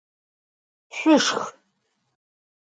Şüşşx!